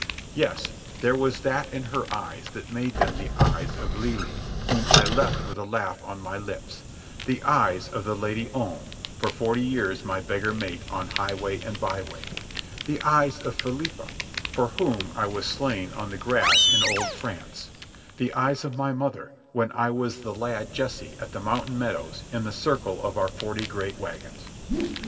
Yes, there was that in her eyes that made them the eyes of Lei Lei whom I left with a laugh on my lips, the eyes of the Lady Om for forty years my beggar mate on highway and byway, the eyes of Philippa for whom I was slain on the grass in old France, the eyes of my mother when I was the lad Jesse at the Mountain Meadows in the circle of our forty great wagons.